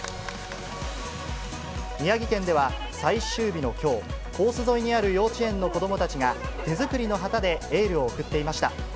宮城県では、最終日のきょう、コース沿いにある幼稚園の子どもたちが、手作りの旗でエールを送っていました。